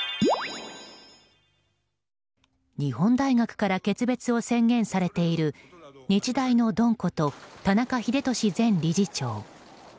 日本大学から決別を宣言されている日大のドンこと田中英寿前理事長。